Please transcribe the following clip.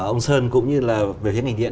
ông sơn cũng như là về những ngành điện